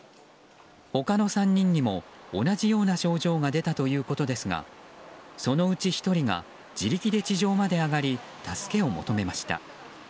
他の３人にも同じような症状が出たということですがそのうち１人が自力で地上まで上がり助けを求めました。